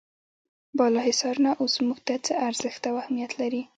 بالا حصارونه اوس موږ ته څه ارزښت او اهمیت لري.